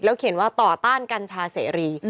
เขียนว่าต่อต้านกัญชาเสรี